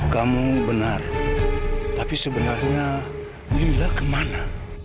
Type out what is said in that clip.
kamu benar tapi sebenarnya mindra kemana